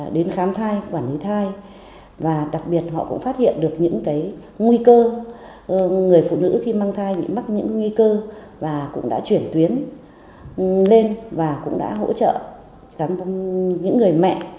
lên đến một mươi hai người